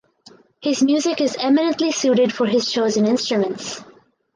His music is eminently suited for his chosen instruments.